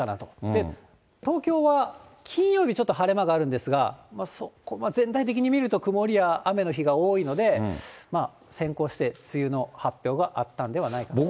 で、東京は金曜日、ちょっと晴れ間があるんですが、そこまで、全体的に見ると、曇りや雨の日が多いので、先行して梅雨の発表があったんではないかと。